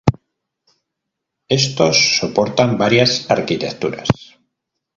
Estos soportan varias arquitecturas.